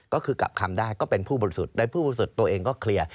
ก็คือกลับคำได้ก็เป็นผู้บริสุทธิ์ได้ผู้บริสุทธิ์ตัวเองก็เคลียร์